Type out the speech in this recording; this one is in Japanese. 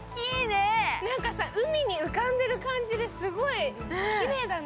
なんかさ、海に浮かんでる感じで、すごいきれいだね。